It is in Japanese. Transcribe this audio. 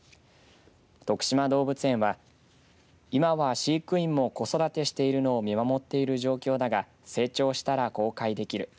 とくしま動物園は今は飼育員も子育てしているのを見守っている状況だが成長したら公開できる。